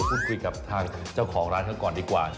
หลายหน้าเหมือนอัลคิน